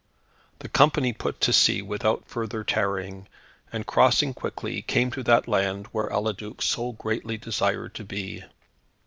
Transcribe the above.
The company put to sea without further tarrying, and, crossing quickly, came to that land where Eliduc so greatly desired to be.